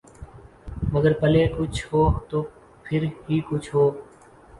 مگر پلے کچھ ہو تو پھر ہی کچھ ہو۔